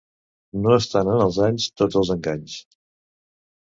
No estan en els anys tots els enganys.